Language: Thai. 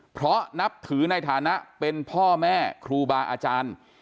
เพราะนับถือในฐานะเป็นพ่อแม่ครูบาอาจารย์